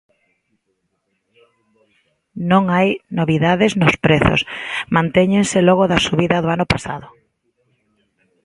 Non hai novidades nos prezos, mantéñense logo da subida do ano pasado.